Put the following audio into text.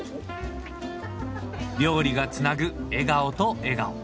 料理がつなぐ笑顔と笑顔。